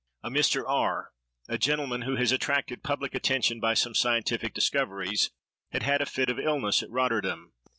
A Mr. R——, a gentleman who has attracted public attention by some scientific discoveries, had had a fit of illness at Rotterdam.